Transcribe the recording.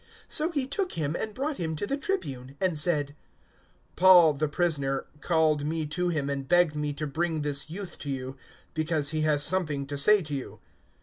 023:018 So he took him and brought him to the Tribune, and said, "Paul, the prisoner, called me to him and begged me to bring this youth to you, because he has something to say to you."